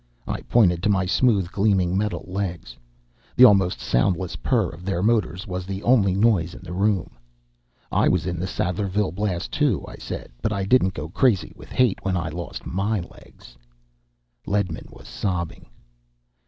I pointed to my smooth, gleaming metal legs. The almost soundless purr of their motors was the only noise in the room. "I was in the Sadlerville Blast, too," I said. "But I didn't go crazy with hate when I lost my legs." Ledman was sobbing.